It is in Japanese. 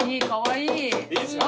いいですよね。